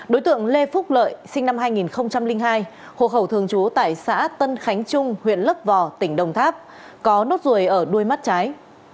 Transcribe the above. đối tượng lê phúc lợi sinh năm hai nghìn hai hồ khẩu thường trú tại xã tân khánh trung huyện lấp vò tỉnh đồng tháp có nốt ruồi ở đuôi mắt trái